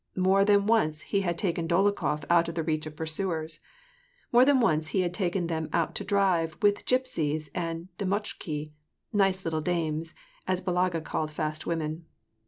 More than once he had taken Dolokhof out of the reach of pursuers. More than once he had taken them out to drive with gypsies and damotchkiy — nice little dames, — as Balaga called fast women.